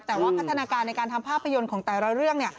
แต่ว่าพัฒนาการในการทำภาพยนตร์ของแต่ละเรื่องเนี่ย